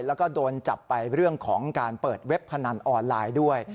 แล้วก็โดนจับไปเรื่องของการเปิดเว็บพนันออนไลน์ด้วย